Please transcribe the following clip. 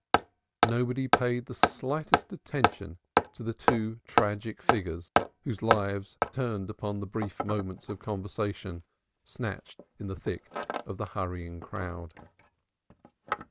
Nobody paid the slightest attention to the two tragic figures whose lives turned on the brief moments of conversation snatched in the thick of the hurrying crowd.